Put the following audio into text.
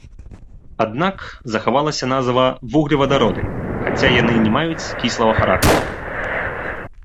Аднак захавалася назва вуглевадароды, хаця яны не маюць кіслага характару.